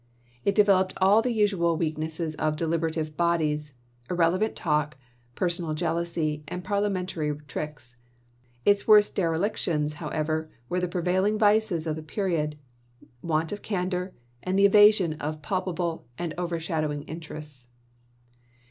It developed all the usual weak nesses of deliberative bodies, irrelevant talk, per sonal jealousy, and parliamentary tricks. Its worst derelictions, however, were the prevailing vices of FAILUKE OF COMPKOMISE 231 the period, want of candor, and the evasion of chaf.xiv. palpable and overshadowing issues.